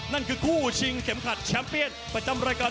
นั่นคือคู่ชิงเข็มขัดแชมป์เปียนประจำรายการ